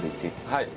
はい。